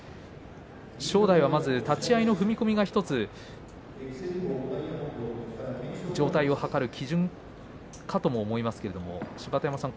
正代は立ち合いの踏み込みが１つ状態を図る基準かとも思いますけれども芝田山さん